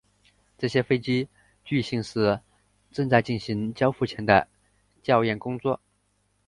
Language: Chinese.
这些飞机据信是正在进行交付前的检验工作。